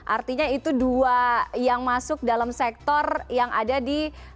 artinya itu dua yang masuk dalam sektor yang ada di kategori apa ya